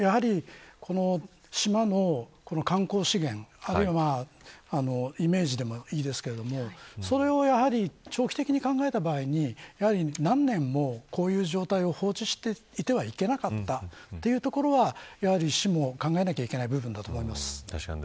やはり、島の観光資源イメージでもいいですけどそれを長期的に考えた場合何年もこういう状態を放置してはいけなかったというところは市も考えなきゃいけない部分だと思います。